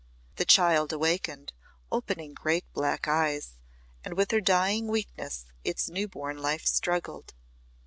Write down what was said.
The child awakened, opening great black eyes, and with her dying weakness its new born life struggled.